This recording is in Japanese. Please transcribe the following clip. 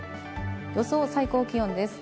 予想最高気温です。